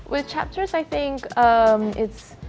dengan chapters saya pikir